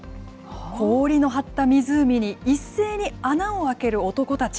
氷の張った湖に一斉に穴を開ける男たち。